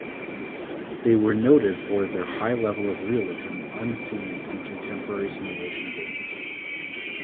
They were noted for their high level of realism unseen in contemporary simulation games.